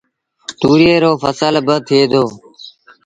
توريئي رو ڦسل با ٿئي دو۔